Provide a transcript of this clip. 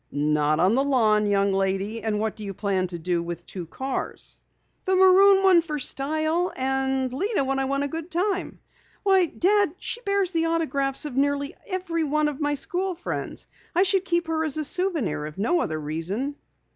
"Not on the lawn, young lady. And what do you plan to do with two cars?" "The maroon one for style, and Lena when I want a good time. Why, Dad, she bears the autographs of nearly all my school friends! I should keep her as a souvenir, if for no other reason."